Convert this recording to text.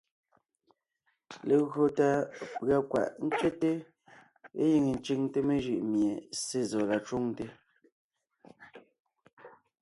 Legÿo tà pʉ̀a kwaʼ ntsẅɛ́te légíŋe ńcʉŋte mejʉʼ mie Ssé zɔ la cwoŋte,